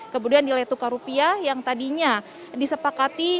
kemudian nilai tukar rupiah yang tadinya disepakati